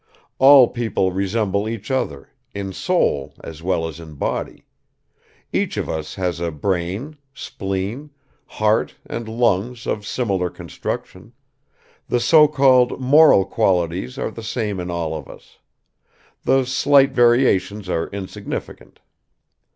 All people resemble each other, in soul as well as in body; each of us has a brain, spleen, heart and lungs of similar construction; the so called moral qualities are the same in all of us; the slight variations are insignificant.